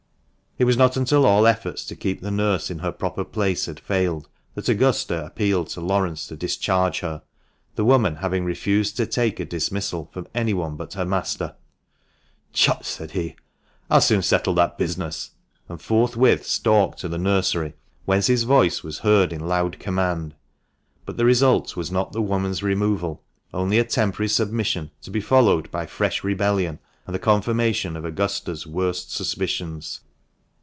. It was not until all efforts to keep the nurse in her proper place had failed, that Augusta appealed to Laurence to discharge her, the woman having refused to take a dismissal from anyone but her master. "Tchut!" said he, "I'll soon settle that business!" and forthwith stalked to the nursery, whence his voice was heard in loud command ; but the result was not the woman's removal, only a temporary submission, to be followed by fresh rebellion, and the confirmation of Augusta's worst suspicions.